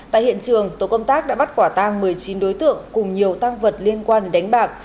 tại hiện trường tổ công tác đã bắt quả tang một mươi chín đối tượng cùng nhiều tăng vật liên quan đến đánh bạc